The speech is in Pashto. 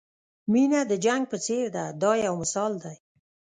مینه د جنګ په څېر ده دا یو مثال دی.